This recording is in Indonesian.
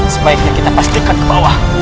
sebaiknya kita pastikan ke bawah